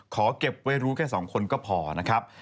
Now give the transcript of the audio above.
ขอเก็บไว้รู้แค่๒คนก็พอนะครับ